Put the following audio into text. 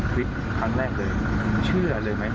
บูชากล่ะโทษเป็นเหรียญนะคะ